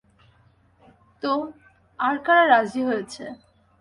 তো, আর কারা রাজি হয়েছে?